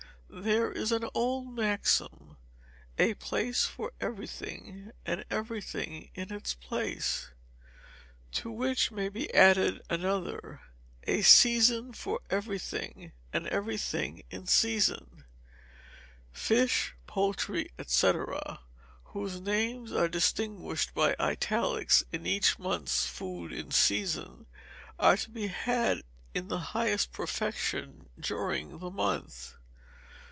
There is an old maxim, "A place for everything, and everything in its place," To which may be added another, "A season for everything, and everything in season." [Fish, Poultry, &c., whose names are distinguished by Italics [here marked like this] in each month's "Food in Season," are to be had in the highest perfection during the month.